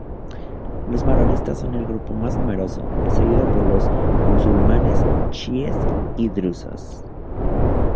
Los maronitas son el grupo más numeroso, seguido por los musulmanes chiíes y drusos.